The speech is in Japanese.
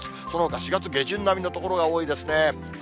そのほか４月下旬並みの所が多いですね。